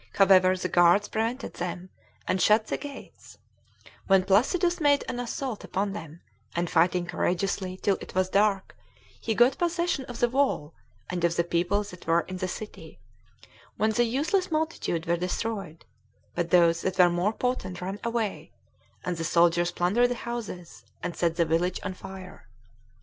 However, the guards prevented them, and shut the gates, when Placidus made an assault upon them, and fighting courageously till it was dark, he got possession of the wall, and of the people that were in the city, when the useless multitude were destroyed; but those that were more potent ran away, and the soldiers plundered the houses, and set the village on fire.